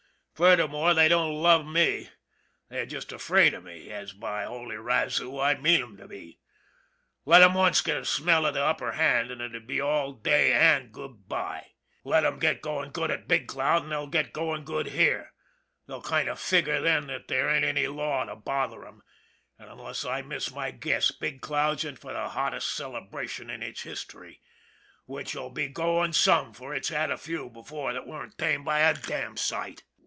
Furthermore they don't love me they're just afraid of me as, by the holy razoo, I mean 'em to be. Let 'em once get a smell of the upper hand an' it would be all day an' good by. Let 'em get goin' good at Big Cloud an' they'll get goin' good here they'll kind of figur' then that there ain't any law to bother 'em an', unless I miss my guess, Big Cloud's in for the hottest celebration in its history, which will be goin' some for it's had a few before that weren't tame by a damn sight."